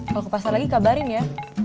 kalau ke pasar lagi kabarin ya